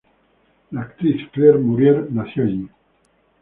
La actriz Claire Maurier nació allí.